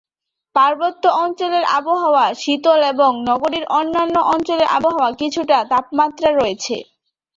পার্বত্য অঞ্চলের আবহাওয়া শীতল এবং নগরীর অন্যান্য অঞ্চলের আবহাওয়ায় কিছুটা তাপমাত্রা রয়েছে।